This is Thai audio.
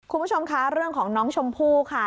คุณผู้ชมคะเรื่องของน้องชมพู่ค่ะ